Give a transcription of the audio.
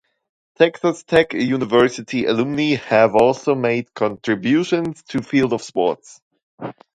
Texas Tech University alumni have also made contributions to field of sports.